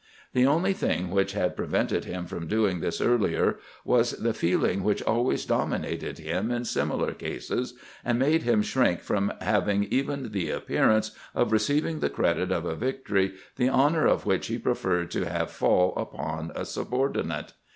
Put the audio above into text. The only thing which had prevented him from doing this earlier was the feeling which always domi nated him in similar cases, and made him shrink from having even the appearance of receiving the credit of a victory the honor of which he preferred to have fall upon a subordinate.